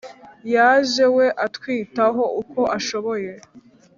yaje we atwitaho uko ashoboye